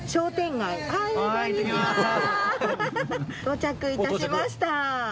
到着いたしました！